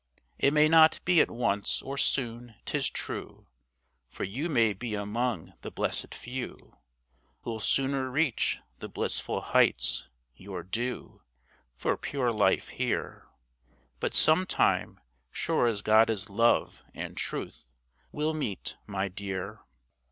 It may not be at once or soon, 'tis true. For you may be among the blessed few Who'll sooner reach the blissful heights your due For pure life here But sometime, sure as God is love and truth, We'll meet, my dear.